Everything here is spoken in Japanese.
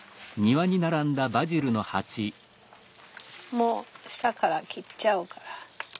もう下から切っちゃうから。